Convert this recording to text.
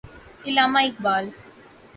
Allama Iqbal